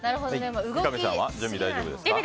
三上さん、大丈夫ですか。